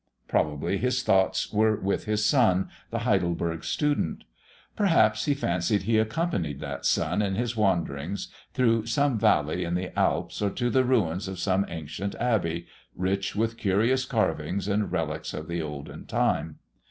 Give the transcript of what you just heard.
Probably his thoughts were with his son, the Heidelberg student; perhaps he fancied he accompanied that son in his wanderings through some valley in the Alps or to the ruins of some ancient abbey, rich with curious carvings and relics of the olden time.